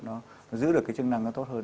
nó giữ được cái chức năng nó tốt hơn